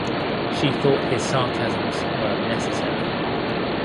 She thought his sarcasms were unnecessary.